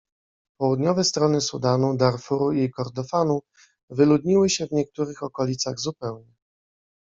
Południowe strony Sudanu, Darfuru i Kordofanu wyludniły się w niektórych okolicach zupełnie.